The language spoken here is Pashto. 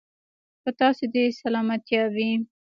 په تاسو دې سلامتيا وي.